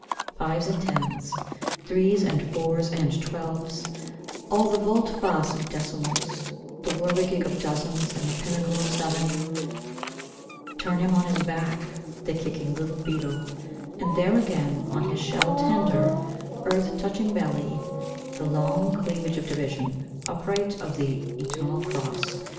Fives, and tens, Threes and fours and twelves, All the volte face of decimals, The whirligig of dozens and the pinnacle of seven, Turn him on his back, The kicking little beetle, And there again, on his shell tender, earth touching belly, The long cleavage of division, upright of the eternal cross.